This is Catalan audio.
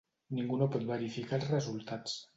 Ningú no pot verificar els resultats.